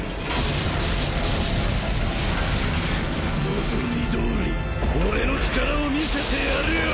望みどおり俺の力を見せてやるよ！